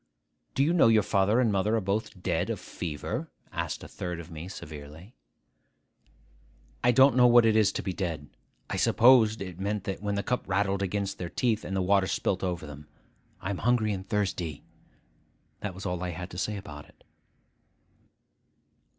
'Do you know your father and mother are both dead of fever?' asked a third of me severely. 'I don't know what it is to be dead. I supposed it meant that, when the cup rattled against their teeth, and the water spilt over them. I am hungry and thirsty.' That was all I had to say about it.